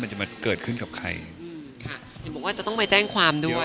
จะมาเกิดขึ้นกับใครมีสัญญาณต้องไปแจ้งความด้วย